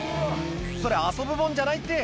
それ遊ぶもんじゃないって！